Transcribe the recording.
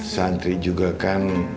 santri juga kan